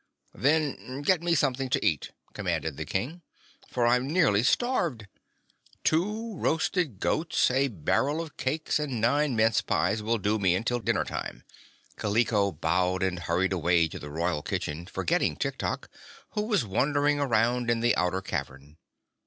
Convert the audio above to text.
"Then get me something to eat," commanded the King, "for I'm nearly starved. Two roasted goats, a barrel of cakes and nine mince pies will do me until dinnertime." Kaliko bowed and hurried away to the royal kitchen, forgetting Tiktok, who was wandering around in the outer cavern.